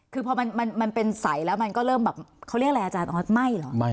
คือพอมันเป็นใสแล้วมันก็เริ่มแบบเขาเรียกอะไรอาจารย์ออสไหม้เหรอ